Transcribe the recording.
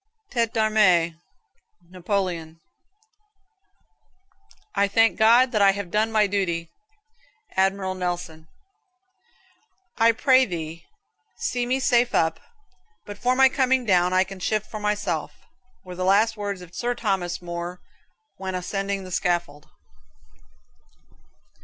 "Tete d'armee." Napoleon. "I thank God that I have done my duty." Admiral Nelson. "I pray thee see me safe up, but for my coming down I can shift for myself," were the last words of Sir Thomas More when ascending the scaffold.